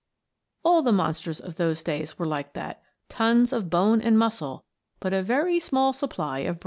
All the monsters of those days were like that tons of bone and muscle, but a very small supply of brains.